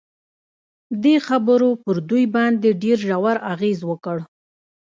دې خبرو پر دوی باندې ډېر ژور اغېز وکړ